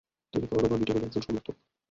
তিনি কর্ডোবা গিটারের একজন সমর্থক।